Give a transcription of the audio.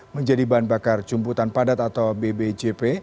menjadi bahan bakar jemputan padat atau bbjp